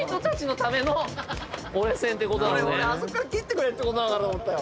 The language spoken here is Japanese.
俺あそこから切ってくれってことなのかと思ったよ。